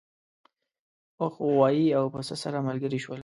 اوښ غوایی او پسه سره ملګري شول.